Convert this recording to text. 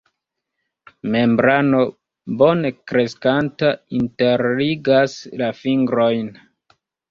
Membrano bone kreskanta interligas la fingrojn.